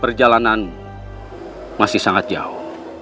perjalanan masih sangat jauh